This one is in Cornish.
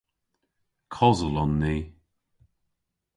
Kosel on ni.